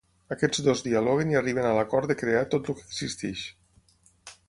Aquests dos dialoguen i arriben a l'acord de crear tot el que existeix.